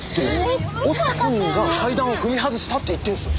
落ちた本人が階段を踏み外したって言ってんすよ。